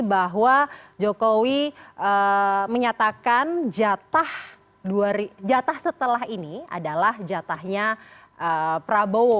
bahwa jokowi menyatakan jatah setelah ini adalah jatahnya prabowo